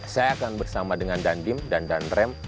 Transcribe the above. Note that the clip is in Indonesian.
saya akan bersama dengan dandim dan danrem